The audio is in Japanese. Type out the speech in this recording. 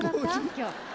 今日。